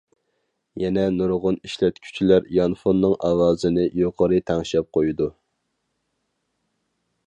يەنە نۇرغۇن ئىشلەتكۈچىلەر يانفوننىڭ ئاۋازىنى يۇقىرى تەڭشەپ قويىدۇ.